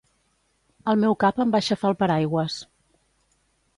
El meu cap em va aixafar el paraigües